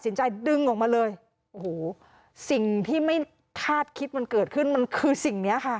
สิ่งที่ไม่ทาสคิดมันเกิดขึ้นมันคือสิ่งนี้ค่ะ